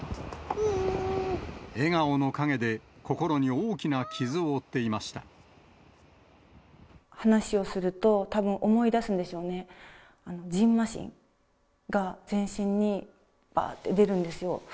笑顔の陰で、心に大きな傷を話をすると、たぶん思い出すんでしょうね、じんましんが全身にばーって出るんですよ。